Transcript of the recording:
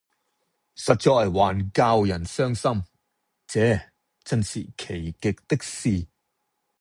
實在還教人傷心，這眞是奇極的事！